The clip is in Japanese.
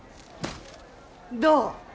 どう？